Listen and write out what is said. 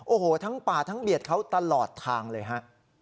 โอ้โหทั้งปาดทั้งเบียดเขาตลอดทางเลยฮะ